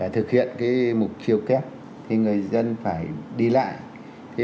thực hiện cái mục chiều kép thì người dân phải đi lại